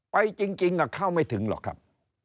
ไปจริงเข้าไม่ถึงหรอกครับ